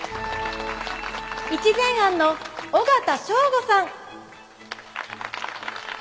一善庵の尾形祥吾さん。